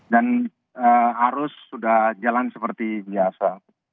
dan arus sudah jalan seperti biasa